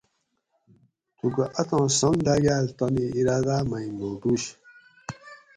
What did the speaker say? تھوکو اتھاں سنگ داگال تانی ارادا مئ نوٹوںش